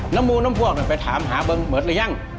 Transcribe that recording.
น้ำมูนน้ำพวกหน่อยไปถามหาเบิ้งเหมือนกันหรือยัง